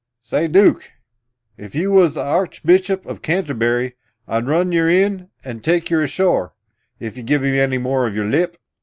Say, Dook! If you was the Archbishop of Canterbury I'd run yer in and take yer ashore, if yer give me any more of yer lip."